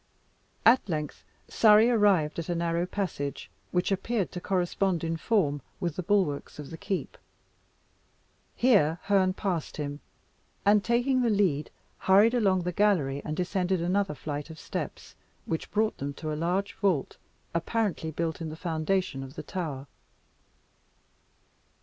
At length, Surrey arrived at a narrow passage, which appeared to correspond in form with the bulwarks of the keep. Here Herne passed him, and taking the lead, hurried along the gallery and descended another flight of steps, which brought them to a large vault, apparently built in the foundation of the tower.